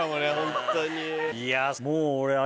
いやもう俺。